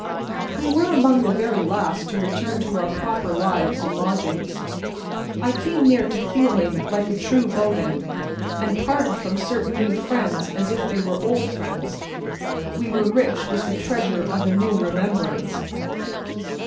We were among the very last to return to our proper lives and lodgings. I came near to feeling like a true Bowden, and parted from certain new friends as if they were old friends; we were rich with the treasure of a new remembrance.